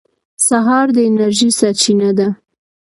سهار د انرژۍ سرچینه ده.